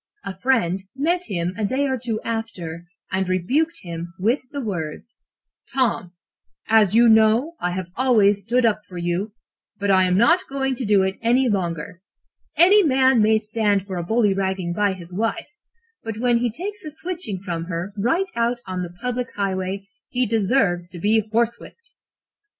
A friend met him a day or two after, and rebuked him with the words: "'Tom, as you know, I have always stood up for you, but I am not going to do so any longer. Any man may stand for a bullyragging by his wife, but when he takes a switching from her right out on the public highway, he deserves to be horsewhipped.'